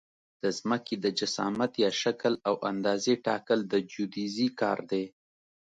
د ځمکې د جسامت یا شکل او اندازې ټاکل د جیودیزي کار دی